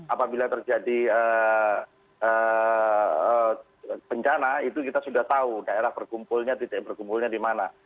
apabila terjadi bencana itu kita sudah tahu daerah berkumpulnya titik berkumpulnya di mana